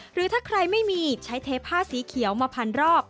หรือถ้าใครไม่มีใช้เทผ้าสีเขียวมาพันรอบ